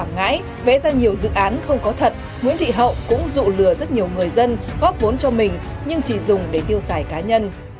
ngãi vẽ ra nhiều dự án không có thật nguyễn thị hậu cũng dụ lừa rất nhiều người dân góp vốn cho mình nhưng chỉ dùng để tiêu xài cá nhân